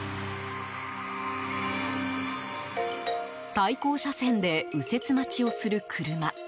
対向車線で右折待ちをする車。